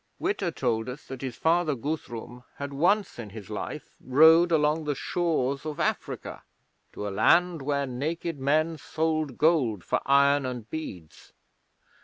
Witta told us that his father Guthrum had once in his life rowed along the shores of Africa to a land where naked men sold gold for iron and beads.